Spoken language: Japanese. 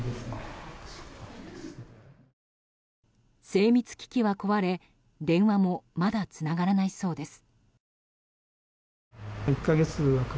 精密機器は壊れ、電話もまだつながらないそうです。